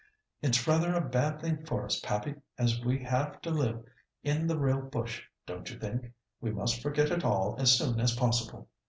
"It's rather a bad thing for us, pappy, as we have to live in the real bush, don't you think? We must forget it all as soon as possible."